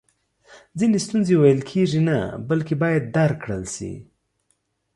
ځینې ستونزی ویل کیږي نه بلکې باید درک کړل سي!